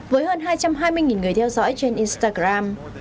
với hơn hai trăm hai mươi người theo dõi trên instagram